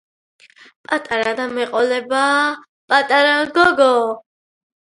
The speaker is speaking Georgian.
პატარა და მეყოლებააა პატარა გოგო